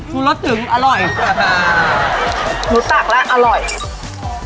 มื้อยอร่อย